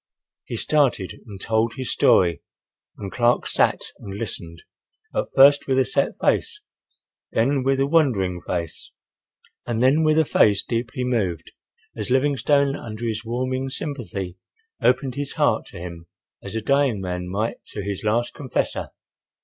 He started and told his story and Clark sat and listened, at first with a set face, then with a wondering face, and then with a face deeply moved, as Livingstone, under his warming sympathy, opened his heart to him as a dying man might to his last confessor.